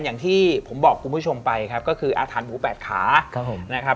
อย่างที่ผมบอกคุณผู้ชมไปครับก็คืออาคารหมูแปดขานะครับ